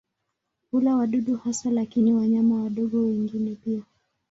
Hula wadudu hasa lakini wanyama wadogo wengine pia.